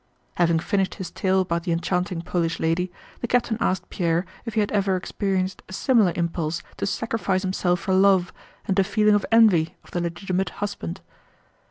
Having finished his tale about the enchanting Polish lady, the captain asked Pierre if he had ever experienced a similar impulse to sacrifice himself for love and a feeling of envy of the legitimate husband.